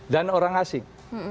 dan orang asing